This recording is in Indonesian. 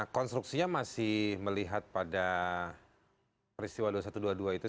konstruksinya masih melihat pada peristiwa dua ribu satu ratus dua puluh dua itu